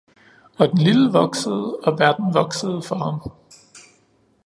Og den lille voksede og verden voksede for ham.